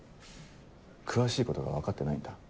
詳しいことが分かってないんだ。